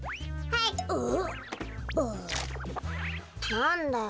なんだよ？